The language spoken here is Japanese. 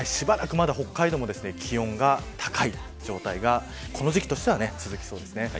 しばらく北海道も気温が高い状態がこの時期としては続きそうです。